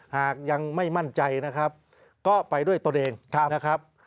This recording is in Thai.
หากยังไม่มั่นใจนะครับก็ไปด้วยตนเองนะครับ